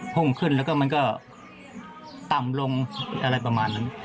พุ่งขึ้นแล้วก็มันก็ต่ำลงอะไรประมาณนั้น